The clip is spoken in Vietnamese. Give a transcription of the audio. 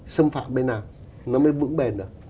xâm phạm bên nào nó mới vững bền được